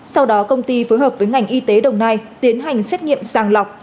sau đó công ty phối hợp với ngành y tế đồng nai tiến hành xét nghiệm sàng lọc